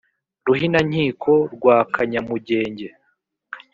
Ruhinankiko rwa Kanyamugenge